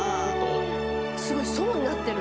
すごい。層になってる。